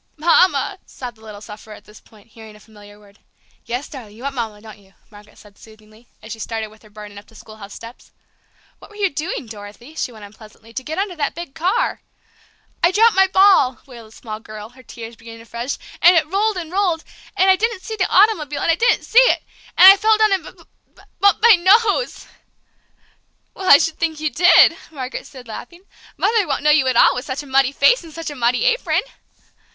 "Mama!" sobbed the little sufferer at this point, hearing a familiar word. "Yes, darling, you want Mama, don't you?" Margaret said soothingly, as she started with her burden up the schoolhouse steps. "What were you doing, Dorothy," she went on pleasantly, "to get under that big car?" "I dropped my ball!" wailed the small girl, her tears beginning afresh, "and it rolled and rolled. And I didn't see the automobile, and I didn't see it! And I fell down and b b bumped my nose!" "Well, I should think you did!" Margaret said, laughing. "Mother won't know you at all with such a muddy face and such a muddy apron!"